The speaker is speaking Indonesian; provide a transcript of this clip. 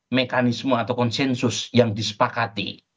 karena mekanisme atau konsensus yang disepakati